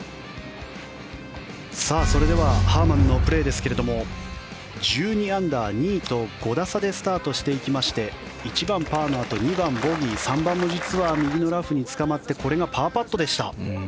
それではハーマンのプレーですが１２アンダー、２位と５打差でスタートしていきまして１番、パーのあと２番、ボギー３番も実は右のラフにつかまってこれがパーパットでした。